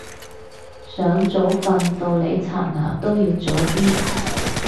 想早瞓到你刷牙都要早啲